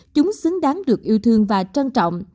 chúng xứng đáng được yêu thương và trân trọng